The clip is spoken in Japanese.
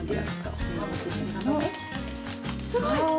すごい！